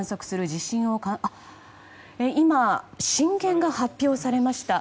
今、震源が発表されました。